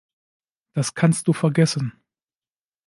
Das kannst du vergesssen.